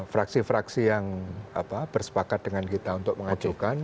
fraksi fraksi yang bersepakat dengan kita untuk mengajukan